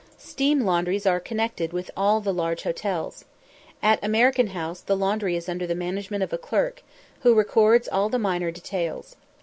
Steam laundries are connected with all the large hotels. At American House the laundry is under the management of a clerk, who records all the minor details.